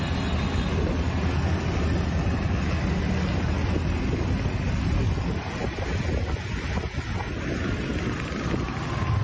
แล้วเมื่อภาพสั้นโปรดคลิป